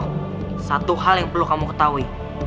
itu satu hal yang perlu kamu ketahui